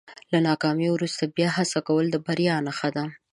له ناکامۍ وروسته بیا هڅه کول د بریا نښه ده.